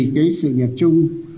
vì cái sự nghiệp chung